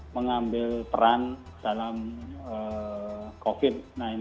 mengambil peran dalam covid sembilan belas